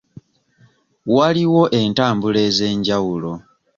Waliwo entambula ez'enjawulo.